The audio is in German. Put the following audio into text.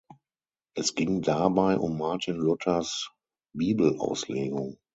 Es ging dabei um Martin Luthers Bibelauslegung.